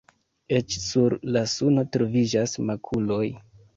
Eĉ sur la suno troviĝas makuloj.